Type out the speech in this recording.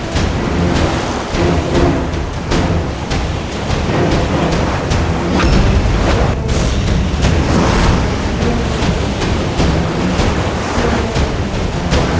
tidak ada yang bisa melawatku sebagai tuhan